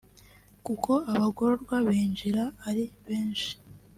kuko abagororwa binjira ari benshi